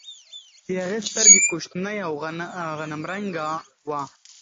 د هغې سترګې کوچنۍ او غنم رنګه وه.